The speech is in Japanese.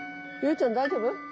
ちゃん大丈夫？